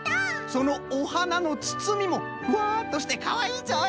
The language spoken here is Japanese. そのおはなのつつみもふわっとしてかわいいぞい。